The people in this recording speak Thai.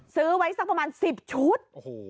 ซื้อไว้สักประมาณสิบชุดโอ้โห